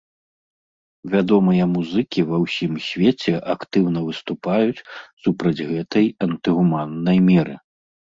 Вядомыя музыкі ва ўсім свеце актыўна выступаюць супраць гэтай антыгуманнай меры.